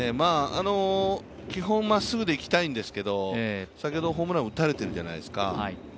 基本まっすぐでいきたいんですけど、先ほどホームランを打たれてるじゃないですか。